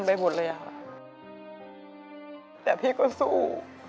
แต่พี่ก็สู้